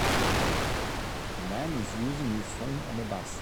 A man is using his phone on a bus.